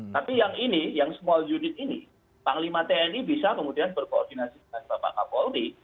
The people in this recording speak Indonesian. tapi yang ini yang small unit ini panglima tni bisa kemudian berkoordinasi dengan bapak kapolri